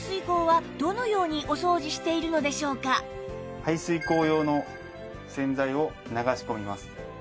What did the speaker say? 普段排水口用の洗剤を流し込みます。